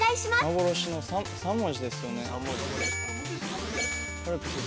◆幻の、３文字ですよね。